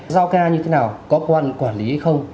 giao ca như thế nào có quan quản lý hay không